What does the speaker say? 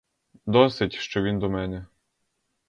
Досить, що він до мене.